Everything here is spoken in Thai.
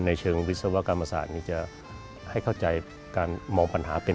ในเชิงวิศวกรรมศาสตร์นี้จะให้เข้าใจการมองปัญหาเป็น